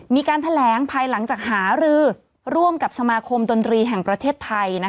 มีการแถลงภายหลังจากหารือร่วมกับสมาคมดนตรีแห่งประเทศไทย